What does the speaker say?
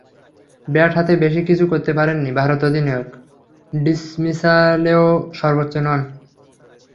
Bat হাতে বেশি কিছু করতে পারেননি ভারত অধিনায়ক, ডিসমিসালেও সর্বোচ্চ নন।